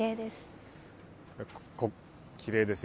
きれいです。